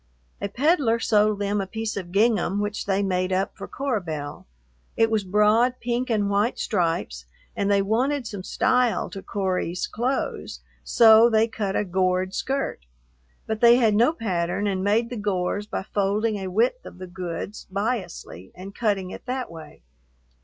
A peddler sold them a piece of gingham which they made up for Cora Belle. It was broad pink and white stripes, and they wanted some style to "Cory's" clothes, so they cut a gored skirt. But they had no pattern and made the gores by folding a width of the goods biasly and cutting it that way.